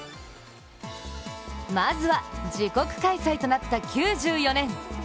まずは自国開催となった９４年。